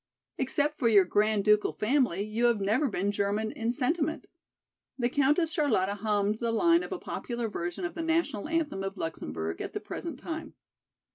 Except for your Grand Ducal family you have never been German in sentiment." The Countess Charlotta hummed the line of a popular version of the national anthem of Luxemburg at the present time.